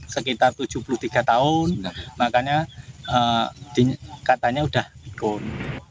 sekitar tujuh puluh tiga tahun makanya katanya sudah ikut